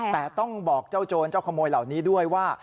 แต่ต้องบอกเจ้าโจรเจ้าขโมยเหล่านี้ด้วยว่า